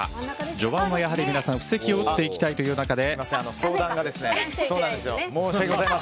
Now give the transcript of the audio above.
序盤は皆さん布石を打っていきたい中で。